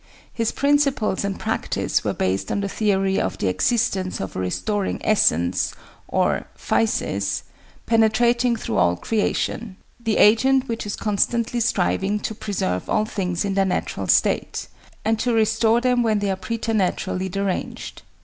His principles and practice were based on the theory of the existence of a restoring essence (or φύσις) penetrating through all creation; the agent which is constantly striving to preserve all things in their natural state, and to restore them when they are preternaturally deranged.